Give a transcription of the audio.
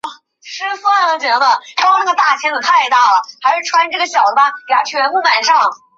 蚁鸟并非猎人或宠物贸易的目标。